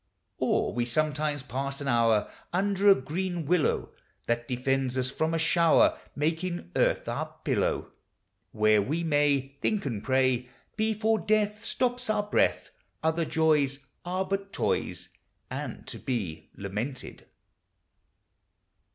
Or we sometimes pass an hour Under a green willow, That defends us from a shower, Making earth our pillow; Where we may Think and pray, Before death Stops our breath; Other joys Are but toys, And to be lamented.